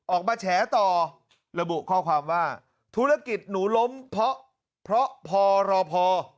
ออกมาแฉต่อระบุข้อความว่าธุรกิจหนูล้มเพราะพอรอพอ